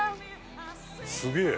すげえ！